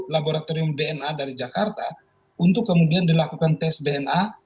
laboratorium dna dari jakarta untuk kemudian dilakukan tes dna